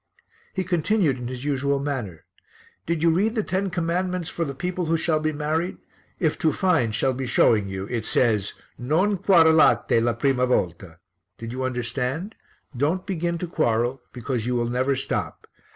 He continued in his usual manner, "Did you read the ten commandments for the people who shall be married? If to find, shall be showing you. It says, 'Non quarelate la prima volta.' Did you understand? 'Don't begin to quarrel,' because you will never stop.